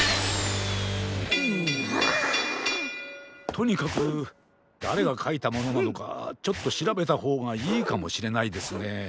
とにかくだれがかいたものなのかちょっとしらべたほうがいいかもしれないですね。